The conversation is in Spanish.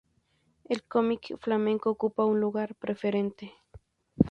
El cómic flamenco ocupa un lugar preferente.